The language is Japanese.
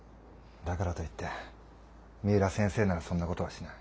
だからといって三浦先生ならそんな事はしない。